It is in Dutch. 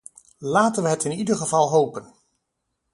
Laten we het in ieder geval hopen.